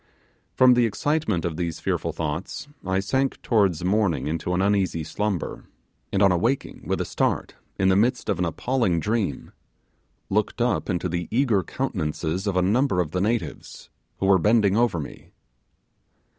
From the excitement of these fearful thoughts I sank towards morning into an uneasy slumber; and on awaking, with a start, in the midst of an appalling dream, looked up into the eager countenance of a number of the natives, who were bending over me.